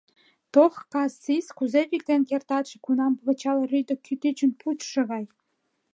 — Тох кас сис, кузе виктен кертатше, кунам пычал рӱдӧ кӱтӱчын пучшо гай!